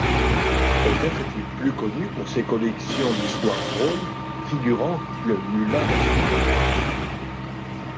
Peut-être est-il plus connu pour ses collections d’histoires drôles figurant le Mulla Nasrudin.